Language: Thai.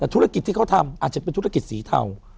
แต่ธุรกิจที่เขาทำอาจจะเป็นธุรกิจสีเทา